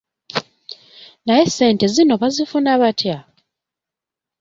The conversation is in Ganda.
Naye ssente zino bazifuna batya?